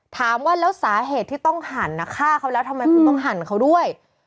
ถามว่าแล้วสาเหตุที่ต้องหั่นฆ่าเขาแล้วทำไมคุณต้องหั่นเขาด้วย